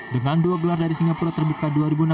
dengan dua gelar dari singapura terbuka dua ribu enam belas